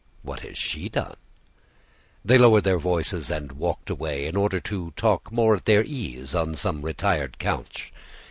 What has she done?_ They lowered their voices and walked away in order to talk more at their ease on some retired couch.